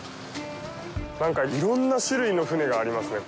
なんか、いろんな種類の船がありますね。